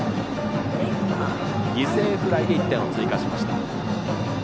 犠牲フライで１点を追加しました。